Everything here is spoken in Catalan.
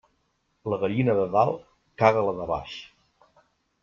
La gallina de dalt caga la de baix.